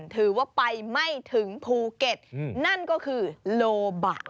ถือว่าไปไม่ถึงภูเก็ตนั่นก็คือโลบะ